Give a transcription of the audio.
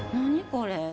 これ。